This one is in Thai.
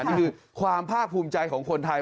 นี่คือความภาคภูมิใจของคนไทย